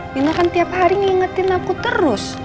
bina kan tiap hari ngingetin aku terus